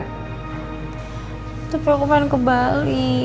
nggak usah pergi kemana mana lagi ya